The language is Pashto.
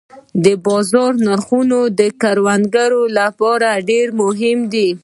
د بازار نرخونه د کروندګر لپاره ډېر مهم دي.